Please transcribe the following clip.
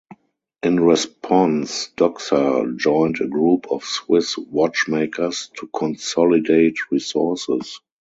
In response, Doxa joined a group of Swiss watchmakers to consolidate resources.